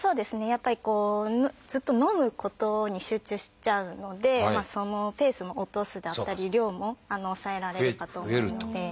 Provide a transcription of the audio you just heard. やっぱりずっと飲むことに集中しちゃうのでそのペースも落とすだったり量も抑えられるかと思うので。